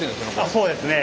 あっそうですね。